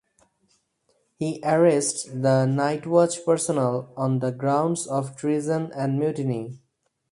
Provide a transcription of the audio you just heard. He arrests the Nightwatch personnel on the grounds of treason and mutiny.